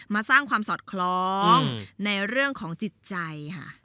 สร้างความสอดคล้องในเรื่องของจิตใจค่ะ